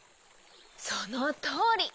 そのとおり。